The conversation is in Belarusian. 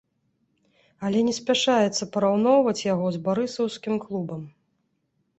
Але не спяшаецца параўноўваць яго з барысаўскім клубам.